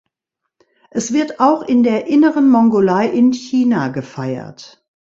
Es wird auch in der Inneren Mongolei in China gefeiert.